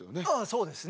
そうですね